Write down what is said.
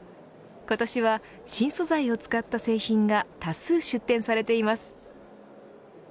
今年は、新素材を使った製品が多数出展されています。